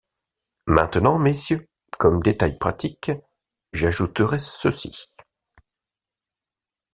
Maintenant, messieurs, comme détail pratique, j’ajouterai ceci.